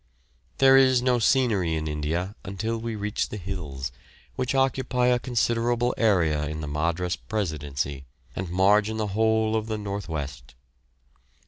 There is no scenery in India until we reach the hills, which occupy a considerable area in the Madras presidency, and margin the whole of the North West.